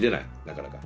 なかなか。